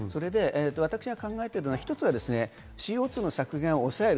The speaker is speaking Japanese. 私が考えている一つは、ＣＯ２の削減を抑える。